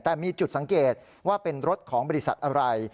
แต่มีจุดสังเกตว่าเป็นรถของบริษัทอะไร